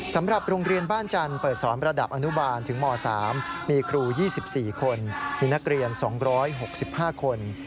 สำหรับโรงเรียนบ้านจันทร์เปิดสอนระดับอนุบาลถึงม๓มีครู๒๔คนมีนักเรียน๒๖๕คน